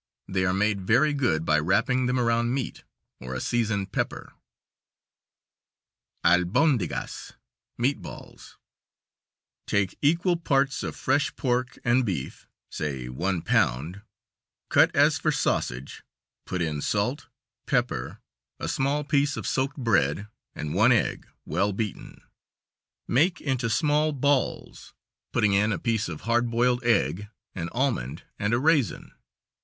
They are made very good by wrapping them around meat, or a seasoned pepper. Alboudigas (meat balls): Take equal parts of fresh pork and beef, say one pound, cut as for sausage, put in salt, pepper, a small piece of soaked bread, and one egg, well beaten; make into small balls, putting in each a piece of hard boiled egg, an almond and a raisin.